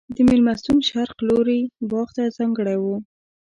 د مېلمستون شرق لوری باغ ته ځانګړی و.